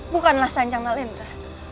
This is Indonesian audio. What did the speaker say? bukanlah sancang nalendra